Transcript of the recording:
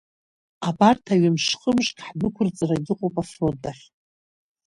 Абарҭ аҩымш-хымшк ҳдәықәырҵараны иҟоуп афронт ахь.